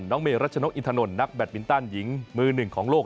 น้องเมนิรัชน้อยินทนนักแบดมินตันหญิงมือ๑ของโลก